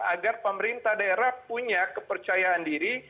agar pemerintah daerah punya kepercayaan diri